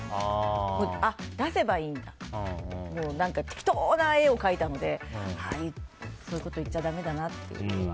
適当な絵を描いたのでああ、そういうこと言っちゃだめだなって。